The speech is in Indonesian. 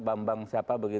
bambang siapa begitu